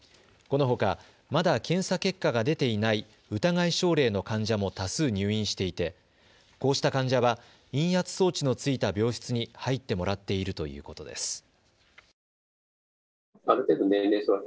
このほかまだ検査結果が出ていない疑い症例の患者も多数入院していてこうした患者は、陰圧装置のついた病室に入ってもらっているということです。